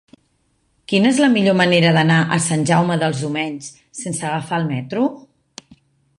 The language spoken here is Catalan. Quina és la millor manera d'anar a Sant Jaume dels Domenys sense agafar el metro?